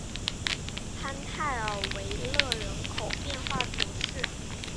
潘泰尔维勒人口变化图示